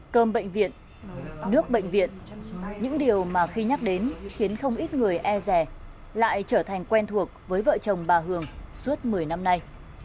cơm bệnh viện nước bệnh viện những điều mà khi nhắc đến khiến không ít người e rè lại trở thành quen thuộc với vợ chồng bà hường suốt một mươi năm nay